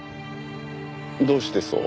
どうしてそう？